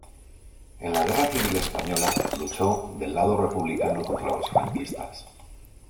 En la Guerra Civil Española luchó del lado republicano contra los franquistas.